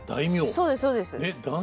そうですそうです。